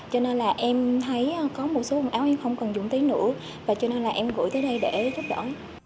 cho nên là em thấy có một số quần áo em không cần dùng tới nữa và cho nên là em gửi tới đây để giúp đỡ